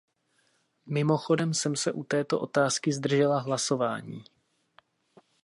Mimochodem jsem se u této otázky zdržela hlasování.